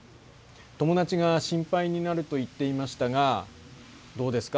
友達が心配になると言っていましたがどうですか？